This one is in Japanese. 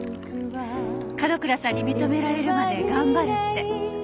角倉さんに認められるまで頑張るって。